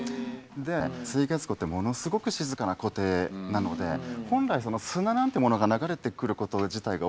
水月湖ってものすごく静かな湖底なので本来砂なんてものが流れてくること自体がおかしいんですね。